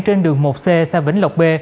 trên đường một c xa vỉnh lộc b